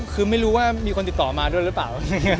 คือไม่รู้ว่ามีคนติดต่อมาด้วยหรือเปล่า